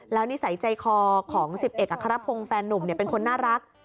แล้วนิสัยใจคอของ๑๑อัครพงศ์แฟนนุ่มเป็นคนน่ารัก